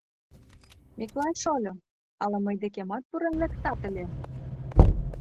- Миклай шольо, ала мый декемат пурен лектат ыле?